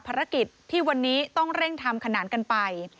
ภารกิจที่วันนี้ต้องเร่งทำขนานกันไป